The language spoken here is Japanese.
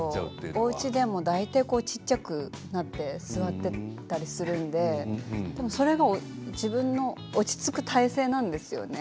おうちでも大体、小さくなって座っていたりするのでそれが自分の落ち着く体勢なんですよね。